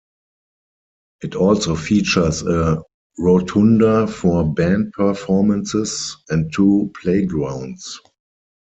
It also features a rotunda for band performances, and two playgrounds.